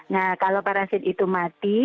nah kalau parasit itu mati